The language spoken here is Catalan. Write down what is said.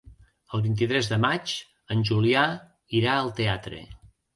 El vint-i-tres de maig en Julià irà al teatre.